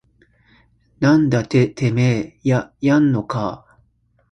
なんだててめぇややんのかぁ